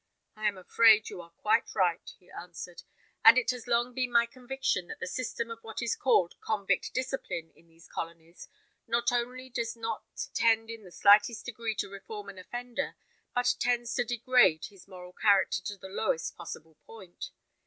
"I am afraid you are quite right," he answered; "and it has long been my conviction that the system of what is called convict discipline in these colonies not only does not tend in the slightest degree to reform an offender, but tends to degrade his moral character to the lowest possible point.